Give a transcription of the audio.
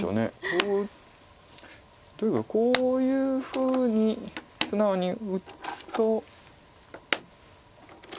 こう例えばこういうふうに素直に打つと。